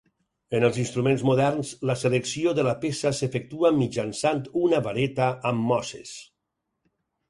En els instruments moderns la selecció de la peça s'efectua mitjançant una vareta amb mosses.